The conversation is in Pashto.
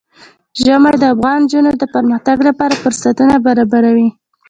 ژمی د افغان نجونو د پرمختګ لپاره فرصتونه برابروي.